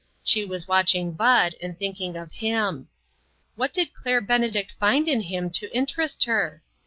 She was watching Bud, and thinking of him. What did Claire Benedict find in him to in terest her